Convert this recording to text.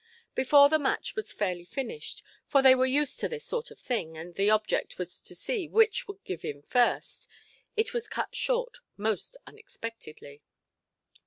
Before the match was fairly finished—for they were used to this sort of thing, and the object always was to see which would give in first—it was cut short most unexpectedly.